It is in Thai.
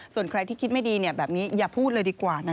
ส่วนใครที่คิดไม่ดีแบบนี้อย่าพูดเลยดีกว่านะ